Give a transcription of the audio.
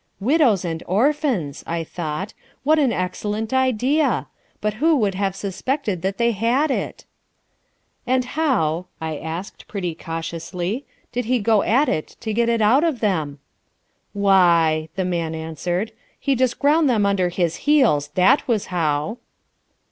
Widows and orphans! I thought, what an excellent idea. But who would have suspected that they had it? "And how," I asked pretty cautiously, "did he go at it to get it out of them?" "Why," the man answered, "he just ground them under his heels, that was how."